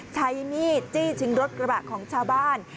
ใช้มีดจี้ชิงรถกระบะของชาวบ้าน